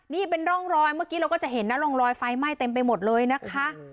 นี่เป็นร่องรอยเมื่อกี้เราก็จะเห็นนะร่องรอยไฟไหม้เต็มไปหมดเลยนะคะ